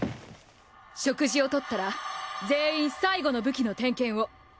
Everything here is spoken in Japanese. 食事をとったら全員最後の武器の点検を。